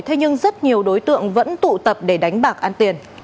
thế nhưng rất nhiều đối tượng vẫn tụ tập để đánh bạc ăn tiền